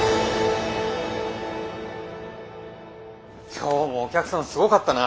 今日もお客さんすごかったな！